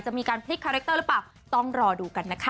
มีการพลิกคาแรคเตอร์หรือเปล่าต้องรอดูกันนะคะ